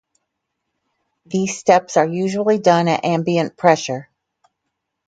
These steps are usually done at ambient pressure.